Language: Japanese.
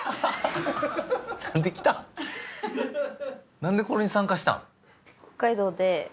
なんでこれに参加したん？